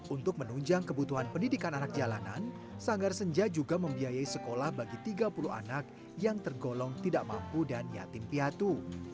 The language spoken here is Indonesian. untuk menunjang kebutuhan pendidikan anak jalanan sanggar senja juga membiayai sekolah bagi tiga puluh anak yang tergolong tidak mampu dan yatim piatu